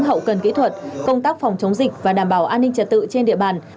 hậu cần kỹ thuật công tác phòng chống dịch và đảm bảo an ninh trật tự trên địa bàn